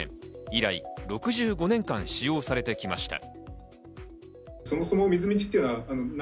以来６５年間使用されてきました。